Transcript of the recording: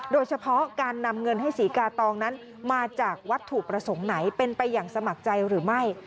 โดยเฉพาะการนำเงินให้ศรีกาตองนั้นมาจากวัตถุประสงค์ไหนเป็นไปอย่างสมัครใจหรือไม่